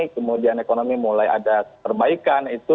kemudian ekonomi mulai ada perbaikan